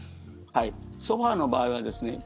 ソファの場合はですね